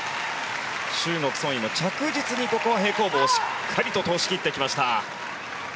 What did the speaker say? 中国、ソン・イも着実に平行棒しっかりと通しきってきました。